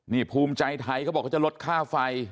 นี่ภูมิใจไทยก็บอกจะลดค่าไฟ